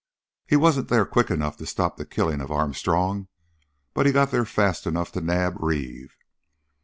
He wasn't there quick enough to stop the killing of Armstrong, but he got there fast enough to nab Reeve.